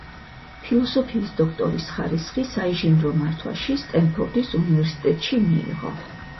ფილოსოფიის დოქტორის ხარისხი საინჟინრო მართვაში სტენფორდის უნივერსისტეტში მიიღო.